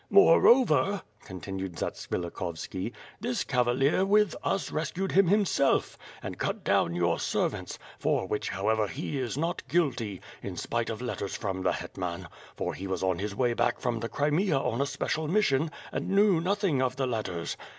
"Moreover," continued Zatsvilikhovski, "this cavalier with us rescued him himself, and cut down your servants, for which, however, he is not guilty, in spite of letters from the Hetman; for he was on his way back from the Crimea on a special mission, and knew nothing of the letters.